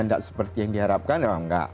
tidak seperti yang diharapkan ya tidak